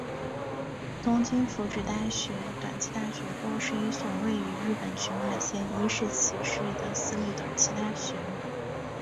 东京福祉大学短期大学部是一所位于日本群马县伊势崎市的私立短期大学。